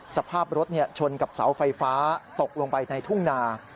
สภาพรถชนกับเสาไฟฟ้าตกลงไปในทุ่งนา